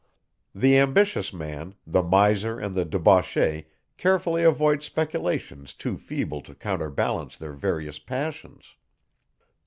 The ambitious man, the miser and the debauchee carefully avoid speculations too feeble to counterbalance their various passions.